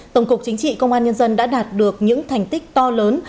tổng cục chính trị công an nhân dân đã đạt được những thành tích to lớn